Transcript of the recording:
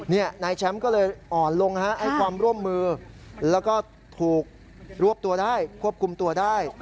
นายแชมป์ก็เลยอ่อนลงให้ความร่วมมือแล้วก็ถูกรวบตัวได้ควบคุมตัวได้